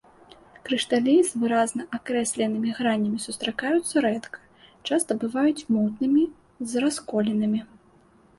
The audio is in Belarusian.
Крышталі з выразна акрэсленымі гранямі сустракаюцца рэдка, часта бываюць мутнымі, з расколінамі.